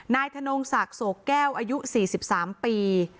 นายธนงศักดิ์โสแก้วอายุ๔๓ปี